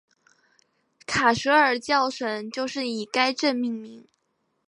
卡舍尔教省就是以该镇命名。